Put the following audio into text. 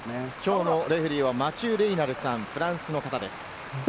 きょうのレフェリーはマチュー・レイナルさん、フランスの方です。